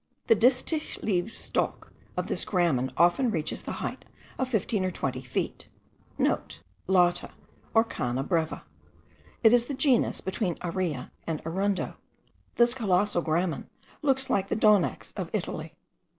The distich leaved stalk of this gramen often reaches the height of fifteen or twenty feet.* (* Lata, or cana brava. It is a new genus, between aira and arundo. This colossal gramen looks like the donax of Italy.